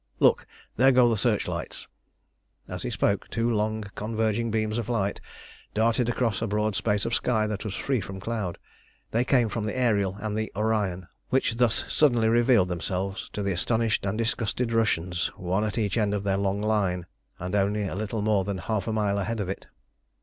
look, there go the searchlights!" As he spoke, two long converging beams of light darted across a broad space of sky that was free from cloud. They came from the Ariel and the Orion, which thus suddenly revealed themselves to the astonished and disgusted Russians, one at each end of their long line, and only a little more than half a mile ahead of it.